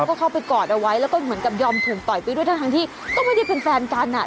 ก็เข้าไปกอดเอาไว้แล้วก็เหมือนกับยอมถูกต่อยไปด้วยทั้งที่ก็ไม่ได้เป็นแฟนกันอ่ะ